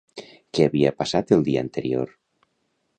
Què havia passat el dia anterior?